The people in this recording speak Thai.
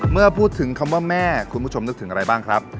เมื่อพูดถึงคำว่าแม่คุณผู้ชมนึกถึงอะไรบ้างครับ